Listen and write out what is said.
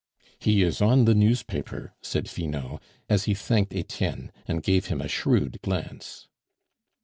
"He is on the newspaper," said Finot, as he thanked Etienne, and gave him a shrewd glance.